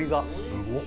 すごっ！